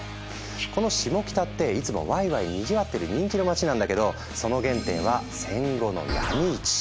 このシモキタっていつもワイワイにぎわってる人気の街なんだけどその原点は戦後の闇市。